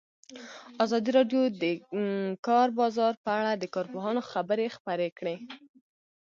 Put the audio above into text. ازادي راډیو د د کار بازار په اړه د کارپوهانو خبرې خپرې کړي.